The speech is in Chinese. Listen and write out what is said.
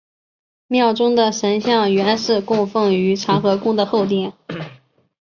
庙中的神像原是供奉于长和宫的后殿。